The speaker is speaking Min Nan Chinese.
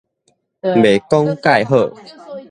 袂講蓋好